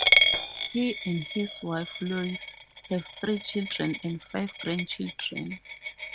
He and his wife, Lois, have three children and five grandchildren.